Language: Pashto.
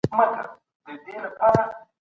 موږ د غوزانو په خوړلو بوخت یو.